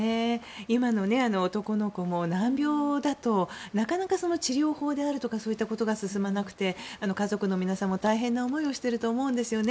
今の男の子も、難病だとなかなか治療法であるとかそういったことが進まなくて家族の皆さんも大変な思いをしていると思うんですよね。